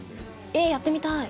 えっやってみたい！